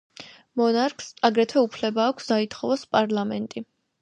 მონარქს აგრეთვე უფლება აქვს დაითხოვოს პარლამენტი.